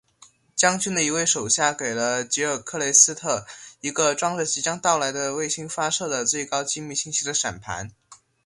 将军的一位手下给了吉尔克雷斯特一个装着即将到来的卫星发射的最高机密信息的闪盘。